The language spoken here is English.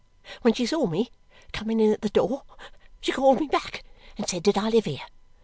When she saw me coming in at the door, she called me back and said did I live here.